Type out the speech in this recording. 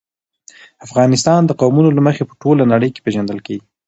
افغانستان د قومونه له مخې په ټوله نړۍ کې پېژندل کېږي.